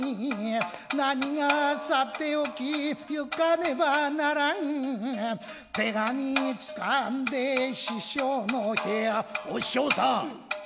なにがさておき行かねばならん手紙掴んで師匠の部屋「お師匠さん」。